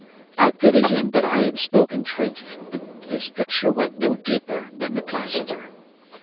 I pitied him, but I had spoken truth. His picture went no deeper than the plaster.